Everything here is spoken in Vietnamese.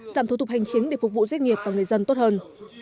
giảm thủ tục hành chính để phục vụ doanh nghiệp và người dân tốt hơn